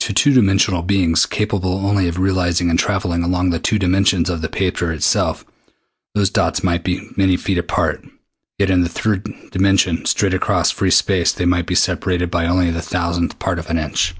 To two dimensional beings capable only of realizing and traveling along the two dimensions of the paper itself those dots might be many feet apart, yet in the third dimension straight across free space they might be separated by only the thousandth part of an inch.